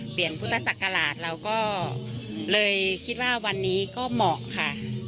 พุทธศักราชเราก็เลยคิดว่าวันนี้ก็เหมาะค่ะ